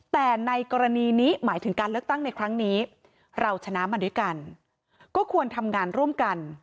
แต่ในกรณีนี้หมายถึงการเลือกตั้งในครั้งนี้เราชนะมาด้วยกันก็ควรทำงานร่วมกัน